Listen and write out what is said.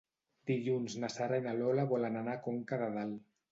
Dilluns na Sara i na Lola volen anar a Conca de Dalt.